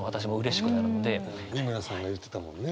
美村さんが言ってたもんね。